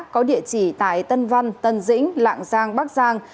có địa chỉ tại tân văn tân dĩnh lạng giang bắc giang